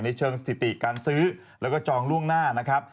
ในเชิงสถิติการซื้อและจองล่วงหน้า